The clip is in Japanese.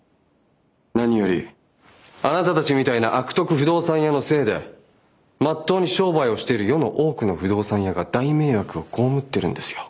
何よりあなたたちみたいな悪徳不動産屋のせいでまっとうに商売をしている世の多くの不動産屋が大迷惑を被ってるんですよ。